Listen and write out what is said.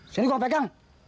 sini gua pegang